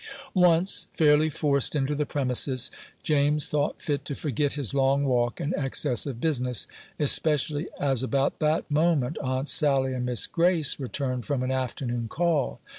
Once fairly forced into the premises, James thought fit to forget his long walk and excess of business, especially as about that moment Aunt Sally and Miss Grace returned from an afternoon call.